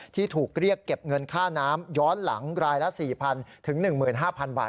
ที่ถูกเรียกเก็บเงินค่าน้ำย้อนหลังรายละสี่พันถึงหนึ่งหมื่นห้าพันบาท